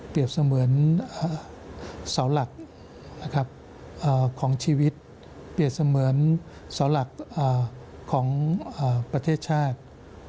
เสมือนเสาหลักของชีวิตเปรียบเสมือนเสาหลักของประเทศชาติ